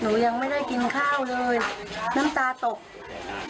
หนูยังไม่ได้กินข้าวเลยน้ำตาตก